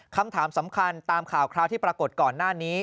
คำถามสำคัญตามข่าวคราวที่ปรากฏก่อนหน้านี้